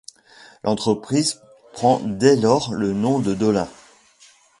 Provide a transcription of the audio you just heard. L'entreprise prend dès lors le nom de Dolin.